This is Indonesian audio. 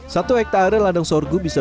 satu hektare ladang sorghum bisa